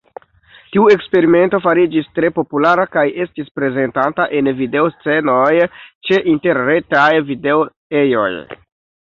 Tiu eksperimento fariĝis tre populara kaj estis prezentata en video-scenoj ĉe interretaj video-ejoj.